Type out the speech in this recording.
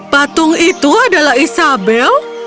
patung itu adalah isabel